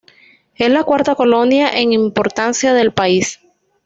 Es la cuarta colonia en importancia del país.